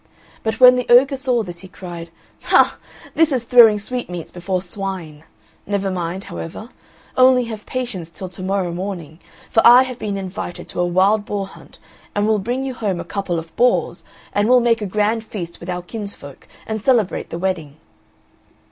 But when the ogre saw this he cried, "Ha! this is throwing sweetmeats before swine; never mind, however, only have patience till to morrow morning, for I have been invited to a wild boar hunt and will bring you home a couple of boars, and we'll make a grand feast with our kinsfolk and celebrate the wedding."